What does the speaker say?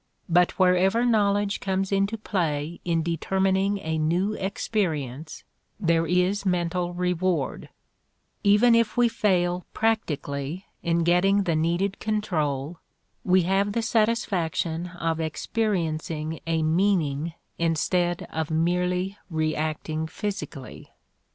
But wherever knowledge comes into play in determining a new experience there is mental reward; even if we fail practically in getting the needed control we have the satisfaction of experiencing a meaning instead of merely reacting physically.